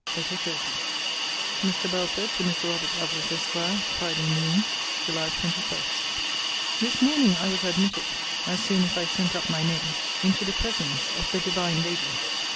LETTER XXX MR. BELFORD, TO MR. ROBERT LOVELACE, ESQ. FRIDAY NOON, JULY 21. This morning I was admitted, as soon as I sent up my name, into the presence of the divine lady.